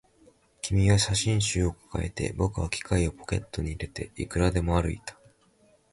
君は写真集を抱えて、僕は機械をポケットに入れて、いくらでも歩いた